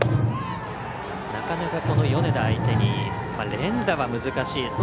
なかなか、米田相手に連打は難しい。